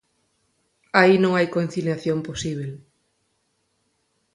Aí non hai conciliación posíbel.